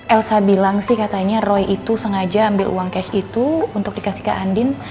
elsa bilang sih katanya roy itu sengaja ambil uang cash itu untuk dikasih ke andin